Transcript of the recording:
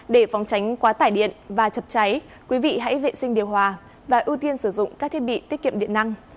để phòng tránh quá tải điện và chập cháy quý vị hãy vệ sinh điều hòa và ưu tiên sử dụng các thiết bị tiết kiệm điện năng